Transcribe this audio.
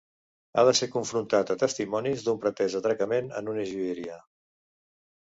Ha de ser confrontat a testimonis d'un pretès atracament en una joieria.